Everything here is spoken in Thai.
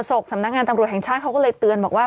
ศกสำนักงานตำรวจแห่งชาติเขาก็เลยเตือนบอกว่า